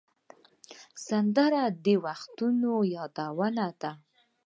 سندره د وختونو یادونه ده